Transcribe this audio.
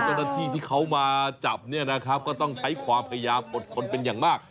เจ้าหน้าที่ที่เขามาจับเนี่ยนะครับก็ต้องใช้ความพยายามอดทนเป็นอย่างมาก